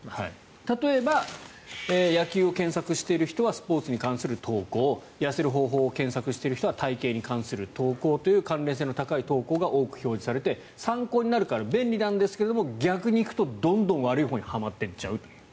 例えば野球を検索している人はスポーツに関する投稿痩せる方法を検索している人は体形に関する投稿という関連性の高い投稿が多く表示されて参考になるから便利なんですけど逆に行くとどんどん悪いほうにはまってっちゃうという。